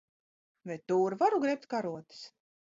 Vai tur varu grebt karotes?